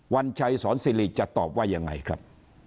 วัญชัยศรศิริจะตอบว่าอย่างไรครับ